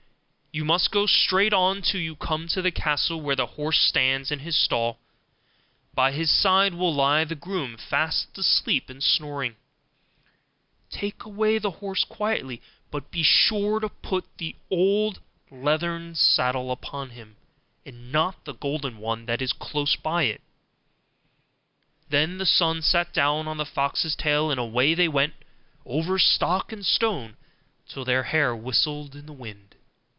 You must go straight on till you come to the castle where the horse stands in his stall: by his side will lie the groom fast asleep and snoring: take away the horse quietly, but be sure to put the old leathern saddle upon him, and not the golden one that is close by it.' Then the son sat down on the fox's tail, and away they went over stock and stone till their hair whistled in the wind.